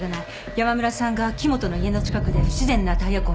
山村さんが木元の家の近くで不自然なタイヤ痕を見つけた。